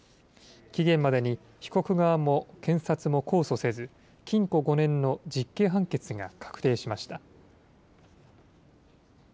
期限までに被告側も検察も控訴せず、禁錮５年の実刑判決が確定しました。